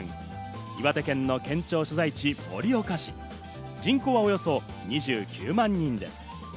岩手県の県庁所在地・盛岡市、人口はおよそ２９万人です。